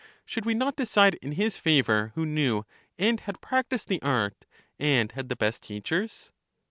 Should we not decide in his favor who knew and had practised the art, and had the best teachers